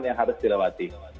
yang harus dilewati